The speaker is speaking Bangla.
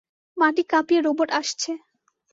মাটি কাঁপিয়ে রোবট আসছে।